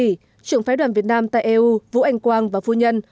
vương quốc bỉ trưởng phái đoàn việt nam tại eu vũ anh quang và phu nhân